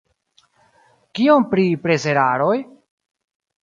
Kion pri preseraroj?